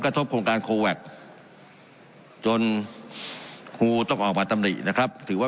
ทบโครงการโคแวคจนครูต้องออกมาตำหนินะครับถือว่า